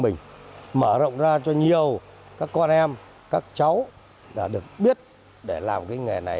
mình mở rộng ra cho nhiều các con em các cháu đã được biết để làm cái nghề này